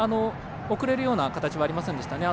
遅れるような形はありませんでしたね。